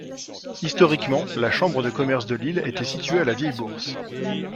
Historiquement la Chambre de commerce de Lille était située à la Vieille Bourse.